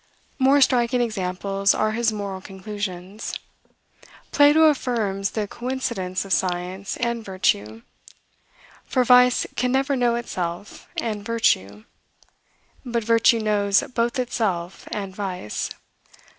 More striking examples are his moral conclusions. Plato affirms the coincidence of science and virtue; for vice can never know itself and virtue; but virtue knows both itself and vice.